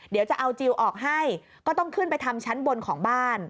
เดี๋ยวจะเอาจิลออกให้ก็ต้องขึ้นไปทำชั้นบนของบ้าน